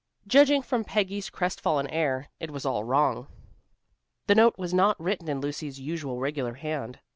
Judging from Peggy's crestfallen air, it was all wrong. The note was not written in Lucy's usual regular hand.